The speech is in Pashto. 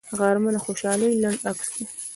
غرمه د خوشحالۍ لنډ عکس دی